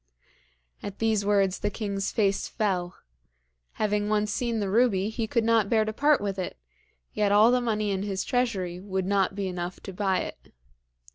At these words the king's face fell. Having once seen the ruby he could not bear to part with it, yet all the money in his treasury would not be enough to buy it.